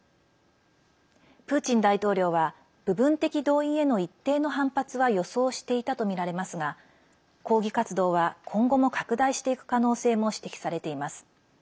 プーチン大統領は部分的動員への一定の反発は予想していたとみられますが抗議活動は今後も拡大していく可能性も指摘されています。